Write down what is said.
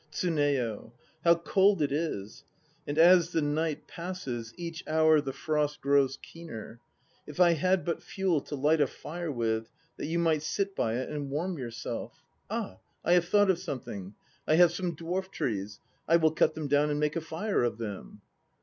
TSUNEYO. How cold it is! And as the night passes, each hour the frost grows keener. If I had but fuel to light a fire with, that you might sit by it and warm yourself! Ah! I have thought of something. I have some dwarf trees. I will cut them down and make a fire of them.